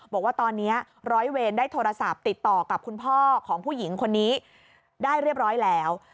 บอกว่าตอนนี้ร้อยเวรได้โทรศัพท์ติดต่อกับคุณพ่อของผู้หญิงคนนี้ได้เรียบร้อยแล้ว